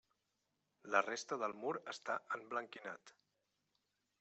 La resta del mur està emblanquinat.